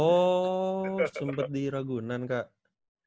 oh sempat di ragunan kak